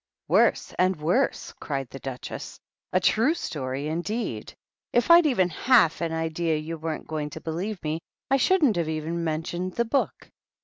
"Worse and worse!" cried the Duchess. "A true story, indeed ! If I'd had even half an idea you weren't going to believe me I shouldn't have even mentioned the book.